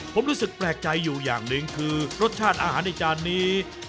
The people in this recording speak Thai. ผมรู้สึกแปลกใจอยู่อย่างหนึ่งคือรสชาติอาหารในจานนี้